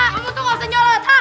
kamu tuh gak usah nyolot